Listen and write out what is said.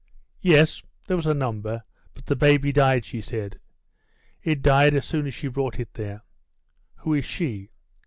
"Yes, there was a number, but the baby died," she said. "It died as soon as she brought it there." "Who is she?"